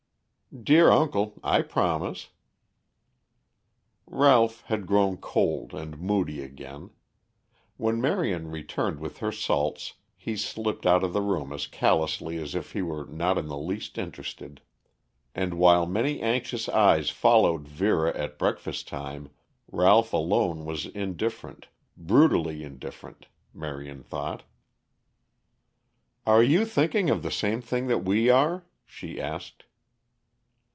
"Dear uncle, I promise." Ralph had grown cold and moody again. When Marion returned with her salts he slipped out of the room as callously as if he were not in the least interested And while many anxious eyes followed Vera at breakfast time, Ralph alone was indifferent, brutally indifferent, Marion thought. "Are you thinking of the same thing that we are?" she asked.